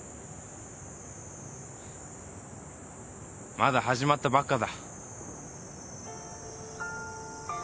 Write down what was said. まだ始まったばっかだ。